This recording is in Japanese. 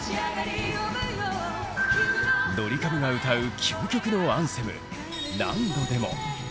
ドリカムが歌う究極のアンセム「何度でも」。